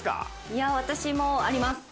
いや私もあります。